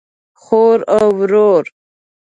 خور او ورور